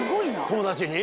友達に？